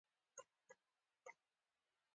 رومیان د کولمو صفا ساتي